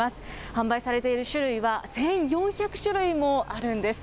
販売されている種類は１４００種類もあるんです。